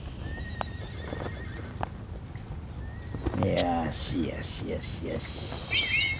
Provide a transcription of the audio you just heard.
よしよしよしよし。